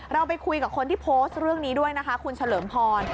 เราไปคุยกับคนที่โพสต์เรื่องนี้ด้วยนะคะคุณเฉลิมพร